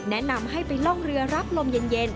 แนะนำให้ไปล่องเรือรับลมเย็น